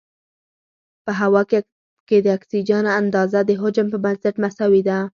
په هوا کې د اکسیجن اندازه د حجم په بنسټ مساوي ده.